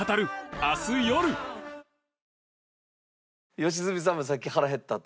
良純さんもさっき腹減ったと。